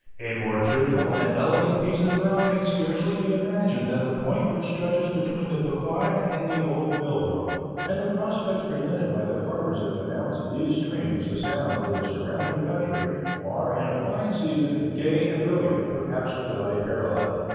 A more cheerful and elegant piece of ground can scarcely be imagined than the point which stretches between the Pughquonnuck and the old mill brook; and the prospects presented by the harbors at the mouths of these streams, the Sound, and the surrounding country, are, in a fine season, gay and brilliant, perhaps without a parallel."